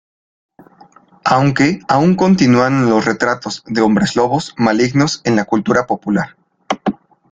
Aunque aún continúan los retratos de hombres lobos malignos en la cultura popular.